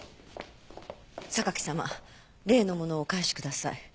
榊様例のものをお返しください。